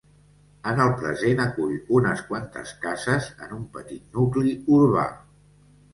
En el present acull unes quantes cases en un petit nucli urbà.